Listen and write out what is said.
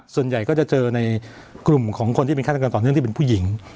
ส่วนใหญ่ก็จะเจอในกลุ่มของคนที่เป็นฆาตกรต่อเนื่องที่เป็นผู้หญิง